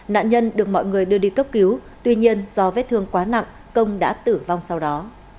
nạn nhân được mọi người đưa đi cấp cứu tuy nhiên do vết thương quá nặng công đã tử vong sau đó